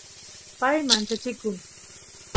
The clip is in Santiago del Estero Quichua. pay manchachikun